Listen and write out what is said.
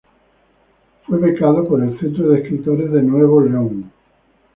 Fue becado por el Centro de Escritores de Nuevo León.